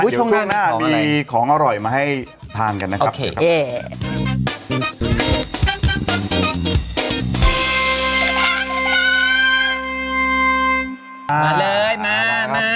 ช่วงหน้ามีของอร่อยมาให้ทานกันนะครับ